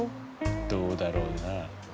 どうだろうな。